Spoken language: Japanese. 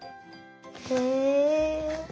へえ。